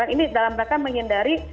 ini dalam rakyat menghindari